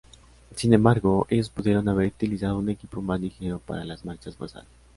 Sin embargo, ellos pudieron haber utilizado un equipo más ligero para las marchas forzadas.